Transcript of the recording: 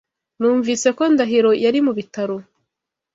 Numvise ko Ndahiro yari mu bitaro.